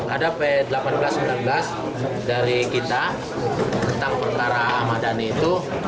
ada p delapan belas sembilan belas dari kita tentang perkara ahmad dhani itu